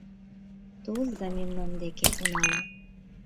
— Толза мемнан деке унала.